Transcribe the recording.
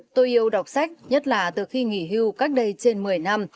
tôi yêu đọc sách nhất là từ khi nghỉ hưu cách đây trên một mươi năm